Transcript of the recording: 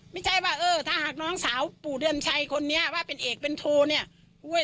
ไม่ใช่ว่าเออถ้าหากน้องสาวปู่เดือนชัยคนนี้ว่าเป็นเอกเป็นโทเนี่ย